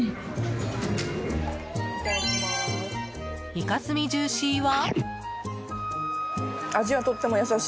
イカスミジューシーは？